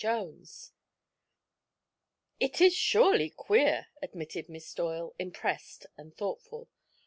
Jones. "It is surely queer!" admitted Miss Doyle, impressed and thoughtful.